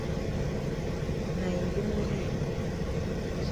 Na yi ngongngong dem.